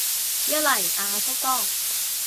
一嚟阿叔多